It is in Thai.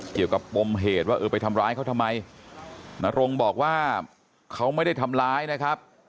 ปมเหตุว่าเออไปทำร้ายเขาทำไมนรงบอกว่าเขาไม่ได้ทำร้ายนะครับ